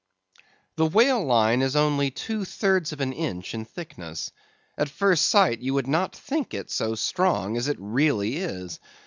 The whale line is only two thirds of an inch in thickness. At first sight, you would not think it so strong as it really is.